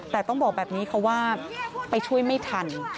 แต่ต้องบอกแบบนี้ค่ะว่าไปช่วยไม่ทัน